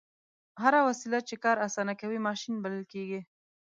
هره وسیله چې کار اسانه کوي ماشین بلل کیږي.